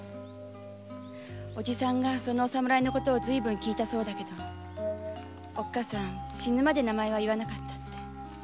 伯父さんはそのお侍のことをずいぶん訊いたそうだけどおっかさん死ぬまで名前は言わなかったって。